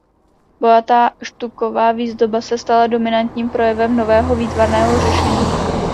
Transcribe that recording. Bohatá štuková výzdoba se stala dominantním projevem nového výtvarného řešení.